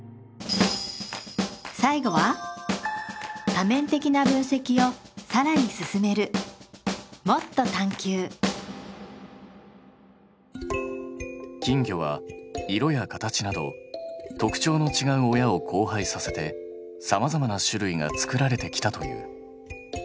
最後は多面的な分析をさらに進める金魚は色や形など特徴のちがう親を交配させてさまざまな種類が作られてきたという。